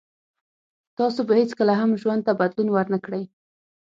تاسو به هیڅکله هم ژوند ته بدلون ور نه کړی